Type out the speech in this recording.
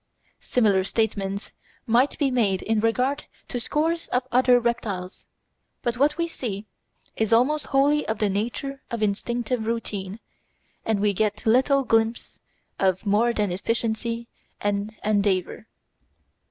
Similar statements might be made in regard to scores of other reptiles; but what we see is almost wholly of the nature of instinctive routine, and we get little glimpse of more than efficiency and endeavour.